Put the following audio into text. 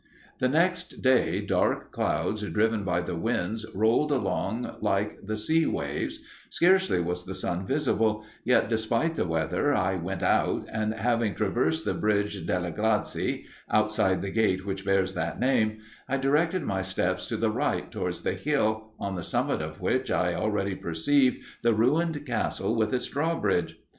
"The next day, dark clouds, driven by the winds, rolled along like the sea waves; scarcely was the sun visible, yet, despite the weather, I went out, and having traversed the bridge Delle Grazie, outside the gate which bears that name, I directed my steps to the right, towards the hill, on the summit of which I already perceived the ruined castle with its drawbridge.